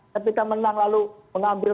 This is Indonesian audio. ketika menang lalu mengambil